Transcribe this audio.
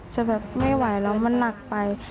จะแบบไม่ไหวแล้วมันหนักไป